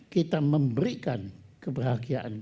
kita memberikan kebahagiaan